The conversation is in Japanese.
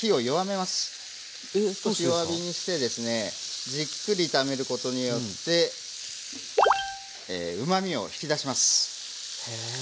弱火にしてですねじっくり炒めることによってうまみを引き出します。